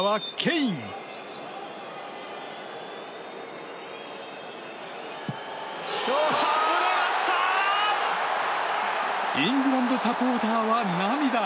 イングランドサポーターは涙。